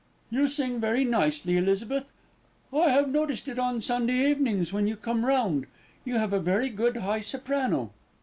"You sing very nicely, Elizabeth. I have noticed it on Sunday evenings when you come round. You have a very good high soprano."